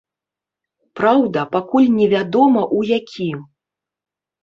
Праўда, пакуль невядома, у які.